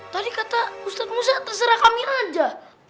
tadi kata ustadz muzah terserah kami aja